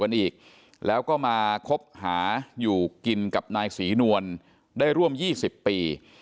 ปลาคบหาอยู่กินกับนายศรีนวลได้ร่วม๒๐ปี